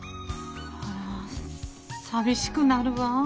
あら寂しくなるわ。